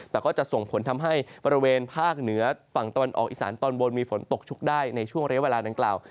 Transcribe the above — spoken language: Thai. แต่ก็จะส่งผลทำให้บริเวณภาคเหนือฝั่งตะวันออกอีสานตอนบนมีฝนตกชุกได้ในช่วงเรียกเวลาดังกล่าว